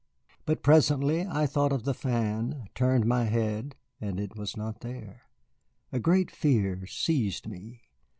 But presently I thought of the fan, turned my head, and it was not there. A great fear seized me.